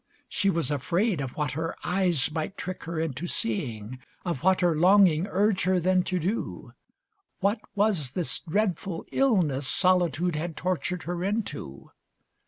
She was afraid Of what her eyes might trick her into seeing, Of what her longing urge her then to do. What was this dreadful illness solitude Had tortured her into?